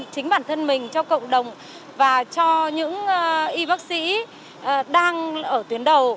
chính bản thân mình cho cộng đồng và cho những y bác sĩ đang ở tuyến đầu